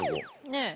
ねえ。